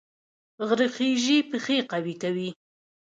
غره خیژي پښې قوي کوي